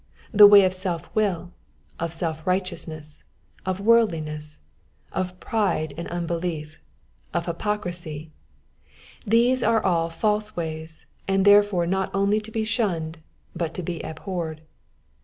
*' The way of self will, of self righteousness, of worldli ness, of pride, of unbelief, of hypocrisy, — these are all false ways, and there fore not only to be shunned, but to be abhorred.